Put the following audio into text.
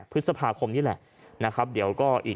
พฤษภาคมนี่แหละนะครับเดี๋ยวก็อีก